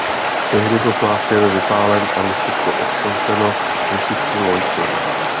Tehdy byl klášter vypálen a městečko obsazeno husitským vojskem.